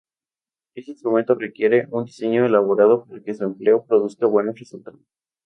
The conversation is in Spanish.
Este instrumento requiere un diseño elaborado para que su empleo produzca buenos resultados.